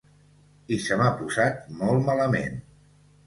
I se m’ha posat molt malament.